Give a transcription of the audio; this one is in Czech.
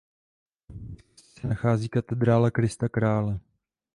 V blízkosti se nachází katedrála Krista Krále.